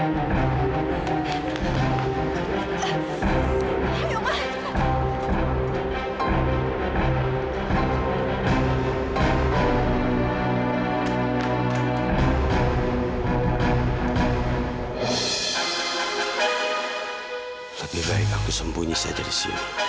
lebih baik aku sembunyi saja di sini